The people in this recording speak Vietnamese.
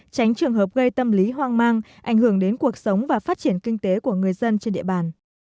tránh trường hợp gây tâm lý hoang mang ảnh hưởng đến cuộc sống và phát triển kinh tế của người dân trên địa bàn